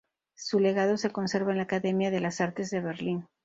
Su legado se conserva en la Academia de las Artes de Berlín.